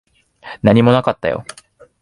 何もなかったよ。